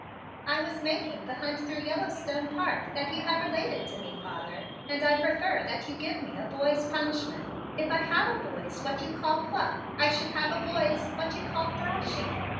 "I was making the hunt through Yellowstone Park that you have related to me, father, and I prefer that you give me a boy's punishment. If I have a boy's what you call 'pluck,' I should have a boy's what you call 'thrashing.'